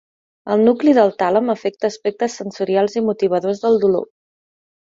El nucli del tàlem afecta aspectes sensorials i motivadores del dolor.